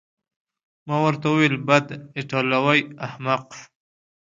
ما ورته وویل: بد، ایټالوی احمق.